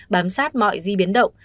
bám sát mọi di biến động